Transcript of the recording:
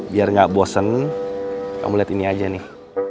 biar tidak bosan kamu lihat ini saja nih